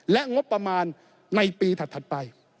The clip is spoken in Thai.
และงบประมาณในปีถัดไป